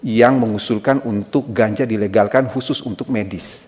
yang mengusulkan untuk ganja dilegalkan khusus untuk medis